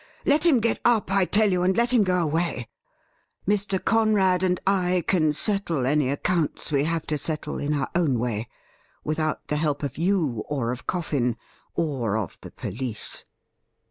Let him get up, I tell you, and let him go away. Mr. Conrad and I can settle any accounts we have to settle in our own way, without the help of you, or of Coffin, or of the police.'